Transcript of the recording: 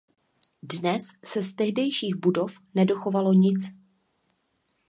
Dnes se z tehdejších budov nedochovalo nic.